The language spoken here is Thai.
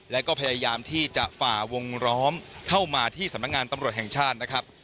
และก็พยายามที่จะฝ่าวงล้อมเข้ามาที่สำนักงานตำรวจแห่งชาตินะครับ